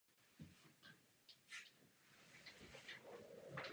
Zamrzá v prosinci a rozmrzá v březnu až na začátku dubna.